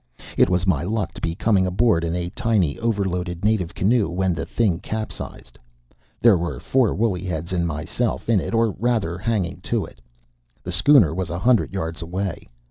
It was my luck to be coming aboard in a tiny, overloaded, native canoe, when the thing capsized. There were four woolly heads and myself in it, or rather, hanging to it. The schooner was a hundred yards away.